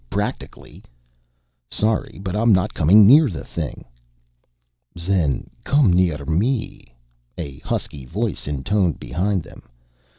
practically." "Sorry, but I'm not coming near the thing." "Zen come near me," a husky voice intoned behind them.